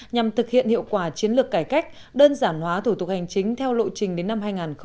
nhằm thực hiện hiệu quả chiến lược cải cách đơn giản hóa thủ tục hành chính theo lộ trình đến năm hai nghìn hai mươi